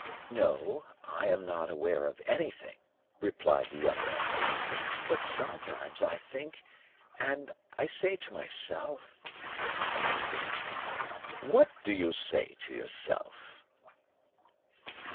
"No, I am not aware of anything," replied the young man; "but sometimes I think and I say to myself " "What do you say to yourself?"